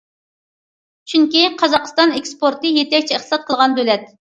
چۈنكى، قازاقىستان ئېكسپورتنى يېتەكچى ئىقتىساد قىلغان دۆلەت.